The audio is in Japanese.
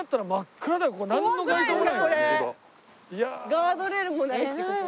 ガードレールもないしここ。